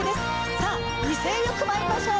さぁ威勢よくまいりましょう！